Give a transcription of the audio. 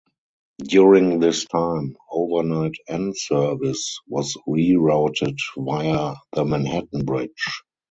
During this time, overnight N service was rerouted via the Manhattan Bridge.